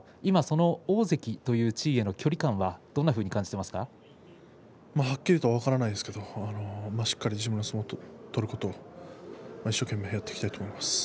大関という地位への距離感ははっきりとは分からないですけれどしっかり自分の相撲を取ること一生懸命やっていきたいと思います。